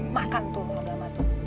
makan tuh lo gama tuh